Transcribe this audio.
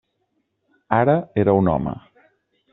Ara era un home.